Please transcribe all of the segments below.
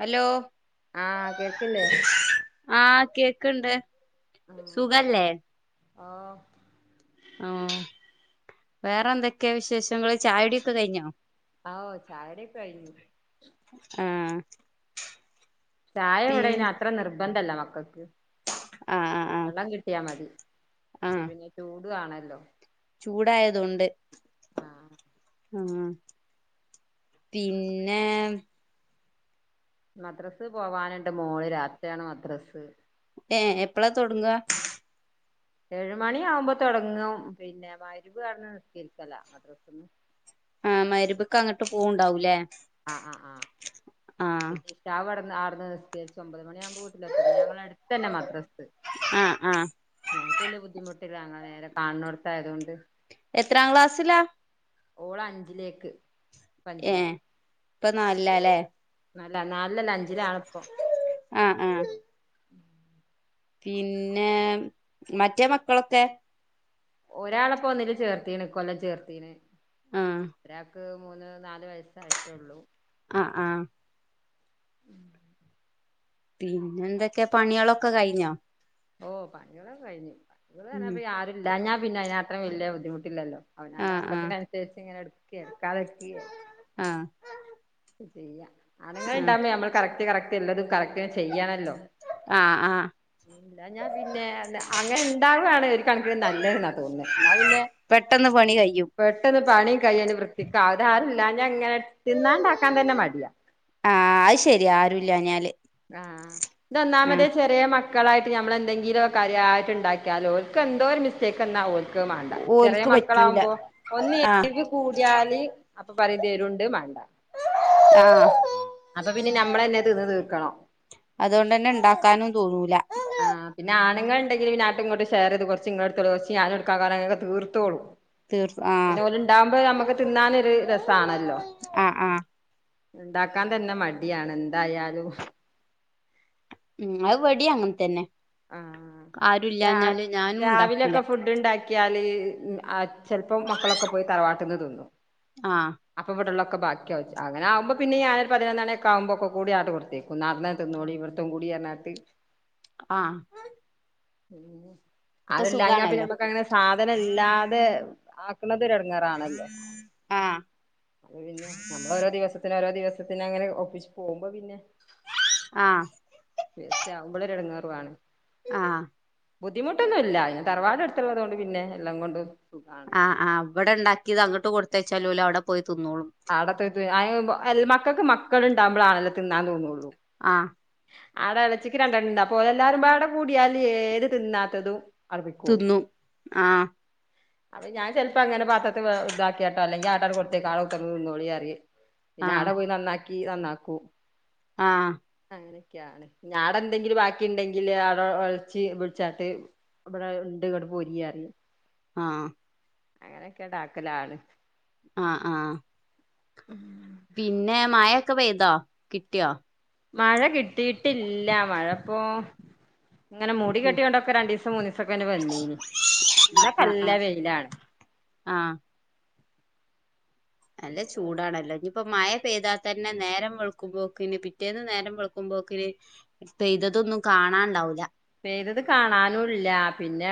Hello ആ കേൾക്കില്ലേ ആ കേക്ക്ണ്ട് സുഖല്ലേ? ആഹ് ആ വേറെന്തൊക്കെ വിശേഷങ്ങള് ചായടിക്കെ കഴിഞ്ഞോ ആ ഓ ചായടിക്കെ കഴിഞ്ഞു ഉം ചായവിടെയ്‌ന് അത്ര നിർബന്ധല്ല മക്കക്ക്. ആഹ് ആഹ് ആഹ് വെള്ളം കിട്ടിയാ മതി പ്പപിന്നെ ചൂട് ആണല്ലോ. ചൂടായതൊണ്ട് ആഹ് ആ പിന്നെ? മദ്രസ് പോവാനുണ്ട് മോള് രാത്രി ആണ് മദ്രസ്. ഏ എപ്പളാ തൊട്ങ്ങാ? ഏഴ് മണി ആകുമ്പ തൊട്ങ്ങും പിന്നെ മഗ്‌രിബ് അവിടന്ന് നിസ്കരിക്കല മദ്രസ്ന്ന്. ആ മഗ്‌രിബ്ക് അങ്ങട്ട് പോവു ണ്ടാവൂലേ. ആ ആ ആ പിന്നെ ഇഷാഹ് അവ്ടന്ന് ആട്ന്ന് നിസ്കരിച്ചു ഒമ്പത് മണിയാ വീട്ടിലെത്തും പിന്നെ ഞങ്ങളടുത്തന്നെ മദ്രസ്സ് അ ആഹ് ഞങ്ങക്ക് വല്ല്യ ബുദ്ധിമുട്ടില്ല ഞങ്ങള് നേരെ കാണോട്ത്തായ്തോണ്ട് എത്രാം ക്ലാസ്സിലാ? ഓളഞ്ചിലേക്ക്. ഏ പ്പ നാലില ലേ അല്ല നാലിലല്ല അഞ്ചിലാണ് പ്പൊ ആഹ് ആഹ് [inaudible] പിന്നെ മറ്റേ മക്കളൊക്കെ. ഒരാളെപ്പൊന്നില് ചേർത്തീണ് ക്കൊല്ലം ചേർത്തീണ് ആഹ് ഒരാക്ക് ണ്ട് മൂന്ന് നാല് വയസ്സായിട്ടുള്ളൂ. ആഹ് ആഹ് [inaudible] പിന്നെ ന്തൊക്കെ പണിളൊക്കെ കഴിഞ്ഞോ? ഓ പണിളൊക്കെ കഴ്ഞ് ഉം പണികള്ർഞാപ്പ ഈ ആരുംല്ലാഞ്ഞാ പിന്നെ അയ്നാത്രം വല്യ ബുദ്ധിമുട്ടില്ലല്ലോ അവനാന്റെ ആഹ് ആഹ് ആക്കത്തിനനുസരിച്ച് ഇങ്ങനെ എടുക്കെ, എടുക്കാതെനിക്കിയേ. ആഹ് ചെയ്യ, ആണ്ങ്ങൾ ആഹ് ഇണ്ടാവുമ്പ നമ്മൾ കറക്റ്റ് കറക്റ്റ് എല്ലതും കറക്റ്റ്ന് ചെയ്യാണല്ലോ? ആഹ് ആഹ്. ഇല്ലാഞ്ഞാൽ പി പിന്നെ അങ്ങനെ ഉണ്ടാവുകയാണ് ഒരു കണക്കിന് നല്ലെന്നാ തോന്നുന്നെ എന്നാ പിന്നെ ന്നാ പണി കയ്യും പെട്ടന്ന് പണി കയ്യന്ന് വൃത്തിക്ക, അത ആരുല്ലാഞാ ഇങ്ങനെ തിന്നാണ്ടാക്കാൻ തന്നെ മടിയാ. ആഹ്, അത് ശെര്യാ ആരുല്ലാഞാല്. ആഹ്, ഇത് ഒന്നാമതേ ചെ ഒരേ മക്കളായിട്ട് നമ്മളെ എന്തെങ്കിലും കാര്യമായിട്ട്ണ്ടാക്കിയാലോൽക്ക് എന്തോര് മിസ്റ്റേക്കണ്ടാവും. ക്ക് മാണ്ട, ചെറിയ ഓൽക്ക് പറ്റൂല മക്കളാവുമ്പോ ഒന്ന് ആഹ് എരു കൂടിയാല് അപ്പൊ പറയും ഇതേരുണ്ട് മാണ്ട. ആഹ് അപ്പൊ പിന്നെ നമ്മളന്നെ തിന്ന് തീർക്കണോം. അത്കൊണ്ടന്നെ ഇണ്ടാക്കാനും തോന്നൂല. ആഹ് പിന്നെ ആണുങ്ങൾ ണ്ടെങ്കിൽ അങ്ങട്ടും ഇങ്ങോട്ട് ഷേറീത് കൊർച്ച്‌ ഇങ്ങളെടുത്തോളൂ കൊർച്ച് ഞാനും എടുക്കാ കൊറേ അങ്ങട് തീർത്തോളും. തീർ ആഹ് പിന്നെ ഓല് ഇണ്ടാവുമ്പോ നമ്മുക്ക് തിന്നാനൊരു രസാണല്ലോ? ആഹ് ആഹ് ഇണ്ടാക്കാൻ തന്നെ മടിയാണ് എന്തായാലു. ഉം, അത് ഇവ്ടിയെ അങ്ങൻതന്നെ. ആഹ് രാവി ഞാനും ഇണ്ടാക്കൂല രാവിലൊക്കെ ഫുഡ് ഉണ്ടാക്കി ക്കിയാല് ആ ചെലപ്പം മക്കളൊക്കെ പോയി തറവാട്ടന്ന് തിന്നും. ആഹ് അപ്പം ഇവിടെള്ളൊക്കെ ബാക്കിആവും. അങ്ങനെ ആവുമ്പോ പിന്ന ഞാനൊരു പതിനൊന്നണി ഒക്കെ ആവുമ്പോക്കകൂടി ആണ്ട് കൊടുത്തേ ക്കു നാട്ന്ന തിന്നോളി ഇവിടത്തം കൂടിഅർഞ്ഞാത് ആഹ് അപ്പൊ അതല്ലാഞ്ഞ പിന്നെ സുഖാണല്ലോ നമ്മക്ക് അങ്ങനെ സാധനം ഇല്ലാതെ ആക്കണത് ഒര് എട് റാണല്ലെ. ആഹ് അപ്പ പിന്നെ നമ്മള ഓരോ ദിവസത്തിന ഓരോ ദിവസത് ത്തിന് അങ്ങനെ ഒപ്പിച്ച് പോകുമ്പോ പിന്നെ ആഹ് ഇരുട്ടാകുമ്പൊഴ് ഒര് എടങ്ങേറുആണ്. ആഹ്. ബുദ്ധിമുട്ടൊന്നും ഇല്ല, പിന്നെ തറവാടടുത്തുള്ളതുകൊണ്ട് പിന്നെ എല്ലാം കൊണ്ട് സുഖാണ്. ആഹ് ആഹ്, ഇവിടെ ഇണ്ടാക്കിയത് അങ്ങട്ട് കൊടുത്തച്ചാലും ഓല് അവിടെ പോയി തിന്നോളും. അവ്ടത്തത്, അയെമ്പൊ എൽ മക്കക്ക് മക്കള്ണ്ടാവുമ്പൊളാണെല്ലോ തിന്നാൻ തോന്നുള്ളൂ. ആഹ് ആട എളച്ചിക്ക് രണ്ടെണ്ണം ഇണ്ട്. അപ്പൊ ഓരെല്ലാരും പാടെ കൂടിയാല് ഏത് തിന്നാത്തതും തിന്നും ആഹ് [unintelligible] അപ്പൊ ഞാൻ ചെൽപ്പൊ അങ്ങനെ പത്രത്ത് വേ ഇതാക്കീ ട്ടോ അല്ലെങ്കിൽ ആട്ടാട കൊടുത്തേക്കാ തിന്നോളി പറയും, പിന്നെ ആട ആഹ് പോയി നന്നാക്കി നന്നാക്കൂ. ആഹ് അങ്ങനെയൊക്കെയാണ്. ഇഞ്ഞാടെന്തെങ്കിലും ബാക്കി ഇണ്ടെങ്കില് അവിടെ എളച്ചി വിളിച്ചാട്ട്... ഇവിടെ ഉണ്ട് ഇങ്ങെട്ട് പോരീ പറയും. ആഹ് അങ്ങനെയൊക്കെണ്ട് ആക്കലാണ്. ആഹ് ആഹ് ഉം. പിന്നെ മഴൊക്കെ പെയ്തോ? കിട്ടിയോ? മഴ കിട്ടിയിട്ടില്ല. മഴപ്പോ ഇങ്ങനെ മൂടി ഉം കെട്ടിണ്ടൊക്കെ രണ്ടു ദിവസം മൂന്ന് ദിവസൊക്കെ വന്നീനി. ഇന്ന പല്ല വെയിലാണ്. ആഹ നല്ല ചൂടാണല്ലോ ഇനിയിപ്പോ മഴ പെയ്താ ത്തന്നെ നേരം വെള്ക്കുമ്പോക്ക്ന് പിറ്റേന്ന് നേരം വെളും ക്കുമ്പോക്ന് പെയ്തതൊന്നും കാണാണ്ടാവൂല പെയ്തത് കാണാനും ല്ല പിന്നെ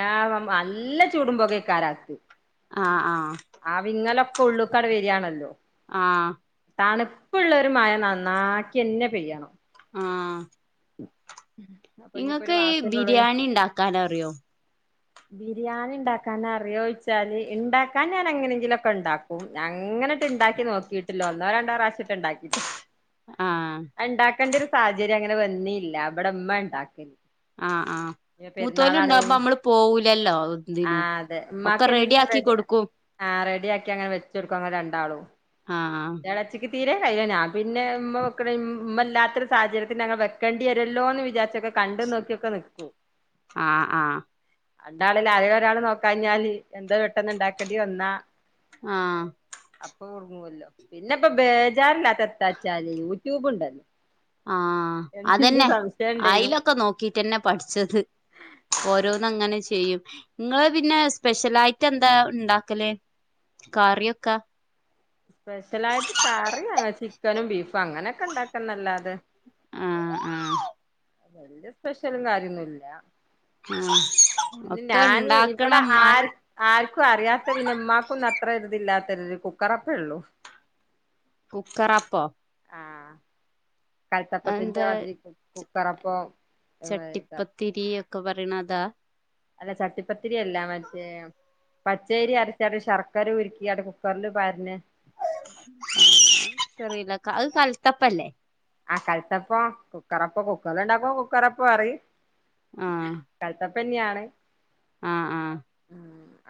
നല്ല ചൂടുമ്പോകേക്കാരം അത്ത് ആ ആ ആ വിങ്ങലൊക്കെ ഉള്ള്ക്ക്അട് വേരിയാണല്ലോ ആ തണ്പ്പ്ള്ള ഒരു മഴ നന്നാക്കിന്നെ പെയ്യണം ആഹ [inaudible] അപ്പൊ ഇനിയിപ്പോ ഒരു ഇങ്ങൾക്ക് ഈ മാസത്തിന്റുള്ള് ബിരിയാണി ണ്ടാക്കാനറിയോ ബിരിയാണി ണ്ടാക്കാൻ അറിയോയിച്ചാല് ഇണ്ടാക്കാൻ ഞാൻ എങ്ങനെങ്കിലുംഒക്കെ ണ്ടാക്കും ഞാ അങ്ങനെട്ട് ണ്ടാക്കി നോക്കി ക്കിയിട്ടില്ല ഒന്നോ രണ്ടോ പ്രാവശ്യട്ടണ്ടാക്കിട്ട് ആഹ് അഹ് ണ്ടാക്കേണ്ട ഒരു സാഹചര്യം അങ്ങനെ വന്നില്ല ഇവടെ ഇമ്മണ്ടാക്കും ആ ആ മൂത്തോല് ണ്ടാവുമ്പം അമ്മള് പോവൂലല്ലോ ആ എന്തിനും അതെ ഒക്കെ ഉമ്മാക്ക് റെഡി എല്ലാം ആക്കി കൊടുക്കും ആ റെഡിയാക്കി അങ്ങനെ വെച്ചെടുക്കും അങ്ങള് രണ്ടാളും ആ ആ ച്ചക്ക് തീരെ കയ്യേന പിന്നെ ഇമ്മ വെക്കണേ ഇമ്മ ഇല്ലാത്ത ഒരു സാഹചര്യ പിന്നെ ഞങ്ങ വെക്കണ്ടിരുല്ലോ ന്ന് വിചാരിച്ചൊക്കെ കണ്ട് നോക്കി ഒക്കെ വെക്കും ആഹ് ആഹ് അതാണ്ലെ ആരെ ഒരാള് നോക്കാഞ്ഞാല് എന്തോ പെട്ടെന്ന് ണ്ടാക്കേണ്ടി വന്നാ ആഹ അപ്പൊ ഒർങ്ങുല്ലോ പിന്നെ ഇപ്പ ബേജാറില്ലാത്തെ എത്താച്ചാല് യൂട്യൂബ് ണ്ടല്ലോ ആഹ അതെന്നെ സംശയം അയി ഉണ്ടേലും ലൊക്കെ നോക്കിട്ടന്നെ പഠിച്ചത് ഓരോന്ന ആഹ് ങ്ങനെ ചെയ്യും ഇങ്ങള് പിന്നെ സ്പെഷ്യലായിറ്റ് എന്താണ്ടാക്കല് കറിയൊക്കെ സ്പെഷ്യലായിട്ട് കറിയാ ചിക്കനും ബീഫും അങ്ങനെയൊക്കെ ണ്ടാക്കാന്നല്ലാതെ ആ ആ വല്യ സ്പെഷ്യലും കാര്യൊന്നുംല്ല ആഹ് പിന്നെ ഒക്കെ ഞാന് ഇണ്ടാക്കണ ഇവിടെ ഇമ്മ ആര് ആർക്കും അറിയാത്ത പിന്നമമാക്കൊന്നും അത്ര ഇരിതില്ലാത്ത കുക്കറപ്പേ ഉള്ളു കുക്കറ അപ്പോ ആഹ കല്ത്തപ്പത്തിന്റെ എന്താ മതിരി കുക്കറപ്പം ചട്ടിപ്പത്തിരി ഒക്കെ പറിണ താ അല്ല ചട്ടിപ്പത്തിരിയല്ല മറ്റേ പച്ചേരി അരച്ചാണ്ട് ശർക്കര ഉരുക്കിയാണ്ട് കുക്കറില് പാര്നെ ഇക്കിറിയുല അഹ് കല്തപ്പല്ലേ ആ കല്ത്തപ്പം കുക്കറപ്പ കുക്കറില് ണ്ടാക്കുമ്പം കുക്കറപ്പ അറി ആ കല്ത്തപ്പന്നെയാണ് ആ ആ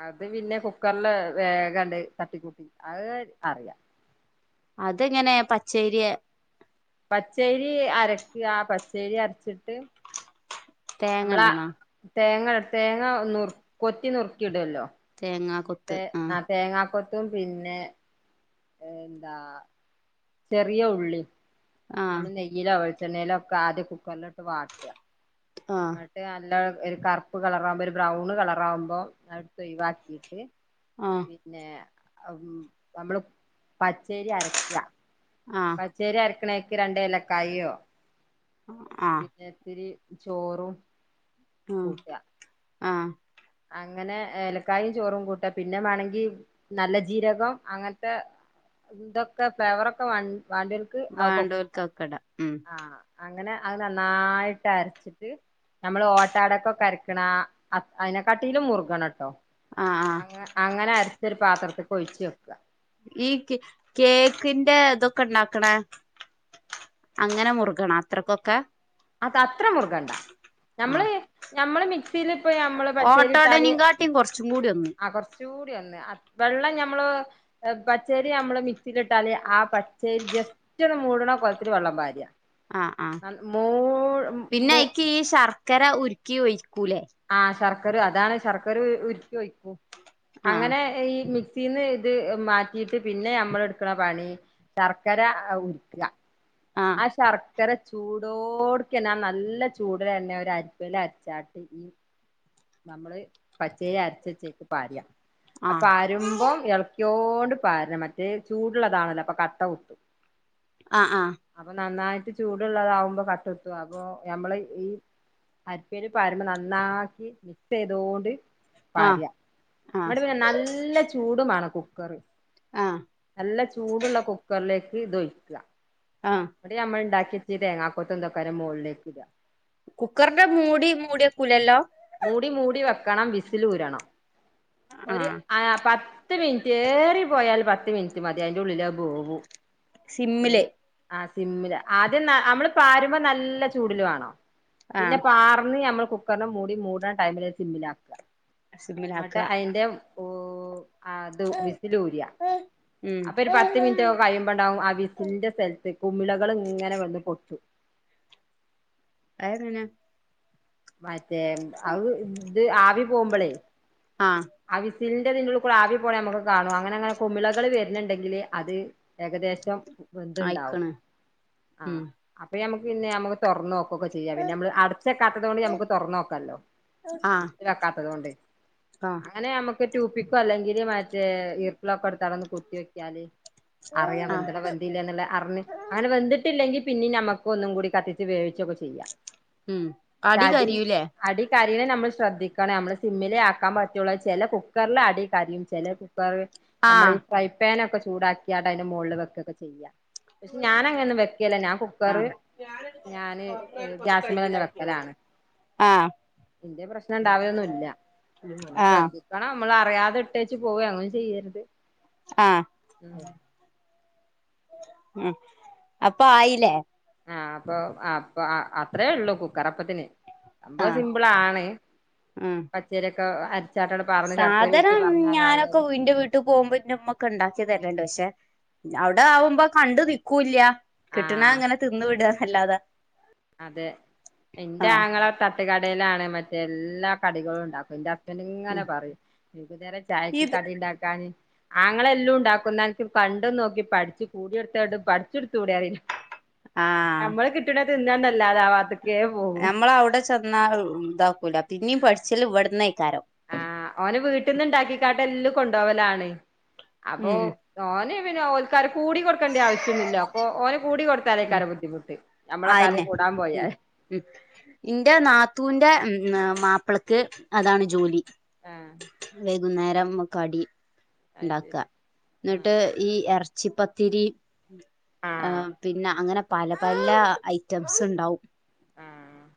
അത് പിന്നെ കുക്കറില് വേഗണ്ട് തട്ടിക്കൂട്ടി അഹ് അറിയാ അത്ങ്ങനെ പച്ചേരിയെ പച്ചേരി അരയ്ക്കാ പച്ചേരി അരച്ചിട്ട് തേങ്ങ നമ്മളെ ഇടണോ തേങ്ങ തേങ്ങ നു കൊത്തി നുറുക്കി ഇടുല്ലോ തേങ്ങ കൊത്ത് ആഹ് ആ തേങ്ങാാക്കൊത്തും പിന്നെ എന്താ ചെറിയ ഉള്ളി ആഹ് നമ്മള് നെയ്യിലോ വെളിച്ചെണ്ണയിലോ ഒക്കെ ആദ്യം കുക്കറിലോട്ട് വാട്ട ആ ട്ട് നല്ല ഒരു കറ്പ്പ് കളറ ആവുമ്പോ ഒരു ബ്രൗണ് കളറ ആകുമ്പോ അടുത്ത് ഒഴിവാക്കിയിട്ട് ആഹ് പിന്നെ നമ്മള് പച്ചയ്രി അരക്കാ. ആഹ് ച്ചേരി അരക്ണേക്ക് രണ്ട് എലക്കായോ ആഹ് പിന്നെ ഇത്തിരി ചോറും ആഹ് കൂട്ടുക ആഹ് അങ്ങനെ ഏലക്കായും ചോറും കൂട്ടാ. പിന്നെ മാണെങ്കി നല്ല ജീരകം അങ്ങൻത്തെ ഇതൊക്കെ ഫ്ലേവറൊക്കെ വാ വാണ്ടിയോൽ വാണ്ടോൽക്കൊകെടാ. ഉം ആഹ് അങ്ങനെ അത് നന്നായിട്ടരച്ചിട്ട് ഞമ്മള് ഓട്ടാടൊക്കെ അരക്ക്ണ അ അയിനെക്കാട്ടിലും മുറുകണട്ടോ ആഹ് ആഹ് അങ്ങ അങ്ങനെ അരച്ചൊരു പാത്രത്ത്ക്ക് ഒഴിച്ച് വെക്കാ. ഈ കെ കേക്കിന്റെ ഇതൊക്കെ ഉണ്ടാക്ണെ അങ്ങനെ മുറുകണൊ അത്രക്കൊക്കെ അത അത്ര മുറുകണ്ടാ ഞമ്മള് ആഹ് ഞമ്മള് മിക്സ് സീല് ഇപ്പോ ഞമ്മള് പച്ചരി ഇട്ടാല് ഓട്ടോടനിങ്കാട്ടിയും കുറച്ചും കൂടി ഒന്ന് ആഹ് കൊർച് ചൂടി ഒന്ന് അ വെള്ളം ഞമ്മള് എഹ് പച്ചേരി ഞമ്മള് മിക്സീല്ട്ടാല് ആ പച്ചേരി ജസ്റ്റ് ഒന്ന് മൂട്ണ കോലത്തിലു വെള്ളം പാരാ. ആഹ് ആഹ്. പിന്നെ മൂ അയിക്കീ ശർക്കര ഉരുക്കി ഒഴിക്കൂലേ ആഹ് ശർക്കരു അതാണ് ശർക്കരു ഉരുക്കി ഒഴിക്കും. ആഹ് അങ്ങനെ ഈ മിക്സ് സിന്ന് ഇത് മാറ്റിയിട്ട് പിന്നെ ഞമ്മള് ഇട്ക്ണ പണി ശർക്കര ഉരുക്കാ. ആഹ് ശർക്കര ചൂടോട്ക്കന്നെ നല്ല ചൂട്ലെന്നെ ഒരു അര്പ്പേല് അര്ച്ചാട്ടി ഈ നമ്മള് പച്ചയ്‌രി അര്ച്ചച്ചേക്ക് പാരാ. അഹ് ആഹ് പാരുമ്പം എൾ ക്ക്യോണ്ട് പാരനം. മറ്റേ ചൂടുള്ളതാണല്ലോ അപ്പൊ കട്ട കുത്തും. ആഹ് ആഹ് അപ്പൊ നന്നായിട്ട് ചൂടുള്ളതാകുമ്പം കട്ട ത്തും. അപ്പൊ ഞമ്മള് ഈ അരിപ്പേര് പാരുമ്പം നന്നാക്കി മിക്സെയ്തോണ്ട് ആഹ് പാരാ. ആഹ് ഇന്നട്ട് ആഹ് പിന്നെ നല്ല ചൂട് മാണം കുക്കറ്. ആഹ് നല്ല ചൂടുള്ള കുക്കർലേക്ക് ഇതൊഴിക്കാ. ആഹ് ഇന്നട്ട് ഞമ്മൾ ഇണ്ടാക്കി വെച്ചി തേങ്ങാക്കൊത്തും ഇതൊക്കര് മോളിലേക്ക് ഇടാ. കുക്കറിന്റെ മൂടി മൂടിയേക്കൂലല്ലോ. മൂടി മൂടി വെക്കണം. വിസിലൂരണം. ഒര് ആഹ് ആ പത്ത് മിനിറ്റ് ഏറി പോയാൽ പത്ത് മിൻ റ്റ് മതി. അയിൻ്റെ ഉള്ളിലത് ബേവും. സിമ്മില് ഏഹ് ആഹ് സിമ്മില് ആദ്യം ന നമ്മള് പാരുമ്പം നല്ല ചൂടില് വാണം. പിന്നെ ആഹ് പാർന്ന് ഞമ്മൾ കുക്കറിന് മൂടി മൂട്ണ ടൈമിലത് സിമ്മിലാക്കാ. ങ്ങട്ട് സിമ്മിലാക്കുക അയിന്റെ ആ ത് വിസിലൂരാ. ഉം അപ്പൊ ഒര് പത്ത് മിനിറ്റ് കഴിയുമ്പണ്ടാവും ആ വിസി ലിന്റെ സ്ഥലത്ത് കുമിളകള് ഇങ്ങനെ വന്ന് പൊട്ടും. അതെങ്ങന? മറ്റേ അഹ് ഇത് ആവി പോകുമ്പളേ ആഹ് ആ വിസിലിന്റെ ഇതിന്റെ ഉള്ള്കൂടെ ആവി പോണ ഞമ്മക്ക് കാണും. അങ്ങനെ അങ്ങനെ കുമിളകള് വര്ന്ണ്ടെങ്കില് അത് ഏകദേശം വെന്ത് ണ്ടാവും. ആയിക്കണ് ഉം ആഹ് അപ്പയമക്ക് പിന്നെ ഞമ്മക്ക് തൊർന്നോക്കൊക്കെ ചെയ്യ. പിന്നെ നമ്മള് അടച്ചവെക്കാത്തതു കൊണ്ട് ഞമക്ക് തൊർന്നോക്കല്ലോ. ആഹ് വിസിൽ വെക്കാത്തത് കൊണ്ട് ആഹ് അങ്ങനെ നമുക്ക് ടൂത്ത്പ്പിക്കൊ അല്ലെങ്കിൽ മ റ്റേ ഈർക്കിളൊക്കെ ഇട്ത്താണ്ട് കുത്ത്യോക്കിയാല് അറിയാ ആഹ് വെന്ത്ണോ വെ ന്തീല്ലേന്ന്ള്ള അറിഞ്ഞ് അങ്ങനെ വെന്തിട്ടില്ലെങ്കി പിന്നിം ഞമ്മക്ക് ഒന്നും കൂടി കത്തിച്ച് വേവിച്ചൊക്കെ ചെയ്യാ. ഉം അടി കരിയൂല്ലേ? അടി കരീനെ നമ്മൾ ശ്രദ്ധിക്കണം നമ്മള് സിമ്മിലെ ആക്കാൻ പറ്റുള്ള ചില കുക്കറില് അടി കരിയും ചില കു ഇപ്പൊ അത് നമ്മള ആഹ് ഈ പൈപ്പൻൊക്കെ ചൂടാക്കിയാട്ട അതിന്റെ മുകളില് വെക്കൊക്കെ ചെയ്യാം. പക്ഷെ ഞാൻ അങ്ങന ഒന്ന് വെക്കല്ല ഞാൻ കുക്കർ ആഹ് ഞാന് ഗ്യാസമളന്നെ വെക്കലാണ്. ആഹ് ഇന്റെ പ്രശ്നം ഉണ്ടാവൊന്നുല്ല നമ്മ ആഹ് ശ്രദ്ധ കണം നമ്മള അറിയാതെട്ടേച്ച് പോവ അങ്ങനെ ചെയ്യരുത്. ആഹ് അപ്പൊ ആയില്ലേ? ആഹ് അപ്പൊ അപ്പൊ അത്രയേ ഉള്ളു കുക്കറപ്പത്തിന്. സംഭവം ആഹ് സിമ്പിൾ ആണ് ഉം പച്ചരിക്കെ അഹ് ചാട്ടോട് പറഞ്ഞു ശരക്കര ഉരുക്കി പറഞ്ഞ ആളായാലും. ഇട്ട് പോകുമ്പോ ഇന്റെ ഇമ്മക്ക് ഉണ്ടാക്കി തരണ്ട് പക്ഷെ അവിടെ ആവുമ്പോ കണ്ടു നക്കൂല്ല. കിട്ടുണ് ആഹ് അങ്ങനെ തിന്ന വിട എന്നല്ലാതെ. അതെ എന്റെ ആങ്ങളെ തട്ടുകടയിലാണ് മറ്റേ എല്ലാ കടികളും ഉണ്ടാക്കും എന്റെ ഇബല് ഇങ്ങനെ പറയും വൈകുന്നേരം ചായക്ക് ഇത് കടി ഉണ്ടാക്കാന്. ആങ്ങളെല്ലാം ഉണ്ടാക്കുന്ന അനക്ക് കണ്ട നോക്കി പഠിച്ച് കൂടി എടുത്തോണ്ട് പഠിച്ചെടുത്ത കൂടി അറിയില്ല ആഹ് നമ്മള് കിട്ടണ തിന്നാന്ന്ല്ലാതാആവാത്തക്ക് നമ്മള അവിടെ ചെന്നാ ഇതാക്കൂല പിന്നീ പഠിച്ചല് ഇവിടുന്ന ആക്കാരോ. ആഹ് ഓന വീട്ടിൽന്ന് ഉണ്ടാക്കിക്കാണ്ട് എല്ലാം കൊണ്ടുപോവലാണ് അപ്പൊ. ഉം ഓനെ പിന്നെ ഓൽക്കാരർ കൂടിക്ക കൊടുക്കേണ്ട ആവശ്യംഒന്നുല്ല. ഓ ഓര് കൂടി ഉം കൊടുത്താലേക്കാര ബുദ്ധിമുട്ട് നമ്മളൊക്കെര് അയന്നെ കൂടാൻ ഉം പോയാല് ഉം ഇന്റെ നാത്തുവിന്റെ മാപ്പിളക്ക് അതാണ് ജോലി ആ വൈകുന്നേരംക്കടി അത് ശരി ഉണ്ടാക്ക എന്നിട്ട് ഈ ഇറച്ചിപ്പത്തിരി ആ ആ ആഹ് പിന്നെ അങ്ങനെ പല പല ഐറ്റംസ് ഉണ്ടാവും. ആഹ് അഹ്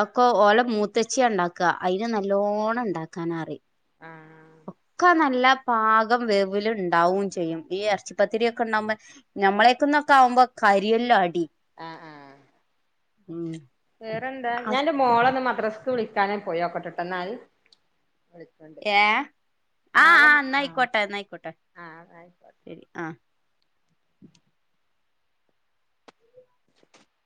അക്കൊ ഓല മൂത്തച്ചിയ ഉണ്ടാക്ക അതിന് നല്ലോണം ഉണ്ടാക്കൻ അറി ആഹ് ഒക്കെ നല്ല പാകം വെവില ഉണ്ടാവുയും ചെയ്യും ഈ ഇറച്ചിപ്പത്രി ഒക്കെ ഉണ്ടകുമ്പോൾ ഞമ്മളേക്കന്നൊക്കെ ആവു മ്പോ കരിയെല്ലാം അടി ആഹ്ആഹ് ഉം വേറെന്താ ഞാൻ എന്റെ മോളൊന്ന് മദ്രസക്ക് വിളിക്കാനെ പോയ ഒക്കെട്ടെന്നാല് ഏഹ് ആഹ് ആഹ് എന്നയിക്കോട്ടെന്നയിക്കോട്ടെ ആഹ് ആയിക്കോട്ടെ ശരി ആഹ് [inaudible]